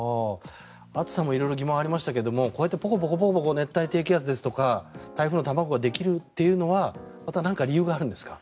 暑さも色々、疑問がありましたがこうやってポコポコ熱帯低気圧ですとか台風の卵ができるというのはまた何か理由があるんですか？